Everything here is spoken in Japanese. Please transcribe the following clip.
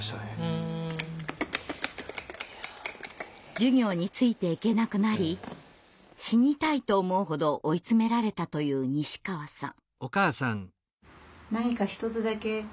授業についていけなくなり死にたいと思うほど追い詰められたという西川さん。